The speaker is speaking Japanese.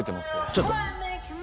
ちょっと。